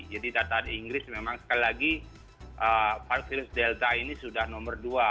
jadi data inggris memang sekali lagi virus delta ini sudah nomor dua